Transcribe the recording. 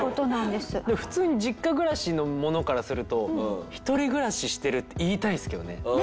普通に実家暮らしの者からすると「一人暮らししてる」って言いたいですけどね。